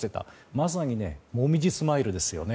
まさにもみじスマイルですね。